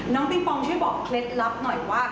ปิงปองช่วยบอกเคล็ดลับหน่อยว่า